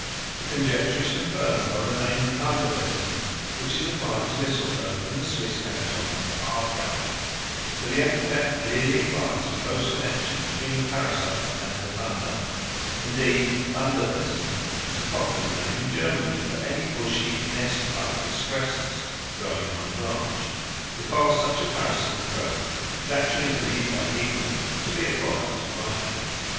The conjecture is confirmed by the name thunder besom which is applied to mistletoe in the Swiss canton of Aargau, for the epithet clearly implies a close connexion between the parasite and the thunder; indeed "thunder besom" is a popular name in Germany for any bushy nest like excrescence growing on a branch, because such a parasitic growth is actually believed by the ignorant to be a product of lightning.